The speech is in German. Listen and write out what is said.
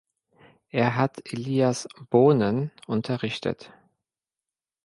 Er hat Elias Boonen unterrichtet.